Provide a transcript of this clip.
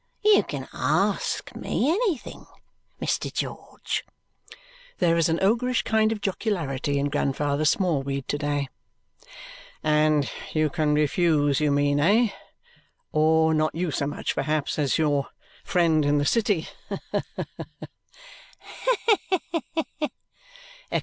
You can ASK me anything, Mr. George." (There is an ogreish kind of jocularity in Grandfather Smallweed to day.) "And you can refuse, you mean, eh? Or not you so much, perhaps, as your friend in the city? Ha ha ha!" "Ha ha ha!"